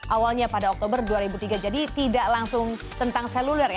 awalnya pada oktober dua ribu tiga jadi tidak langsung tentang seluler ya